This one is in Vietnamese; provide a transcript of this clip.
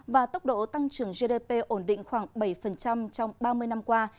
và tốc độ tăng trưởng gdp ổn định khoảng bảy trong ba mươi năm qua